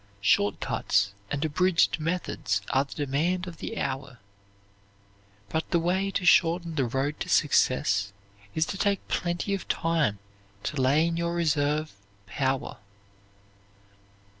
Short cuts and abridged methods are the demand of the hour. But the way to shorten the road to success is to take plenty of time to lay in your reserve power.